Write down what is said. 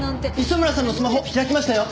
磯村さんのスマホ開きましたよ！